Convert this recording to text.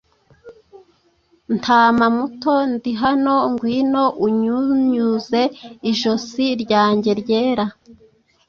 Ntama muto, Ndi hano; Ngwino unyunyuze ijosi ryanjye ryera;